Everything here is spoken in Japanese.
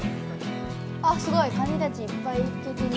あっすごいカニたちいっぱいいけてる。